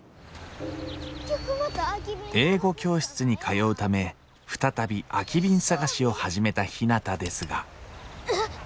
英語教室に通うため再び空き瓶探しを始めたひなたですがえっ。